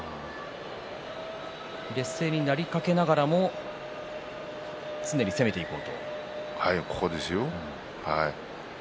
劣勢になりかけながらも常に攻めていこうと。